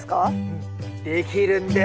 うんできるんです！